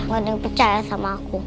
gak ada yang percaya sama aku